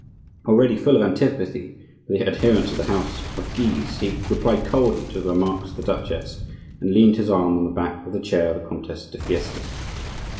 Already full of antipathy for the adherents of the house of Guise, he replied coldly to the remarks of the duchess and leaned his arm on the back of the chair of the Comtesse de Fiesque.